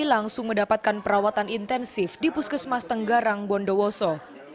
langsung mendapatkan perawatan intensif di puskesmas tenggarang bondowoso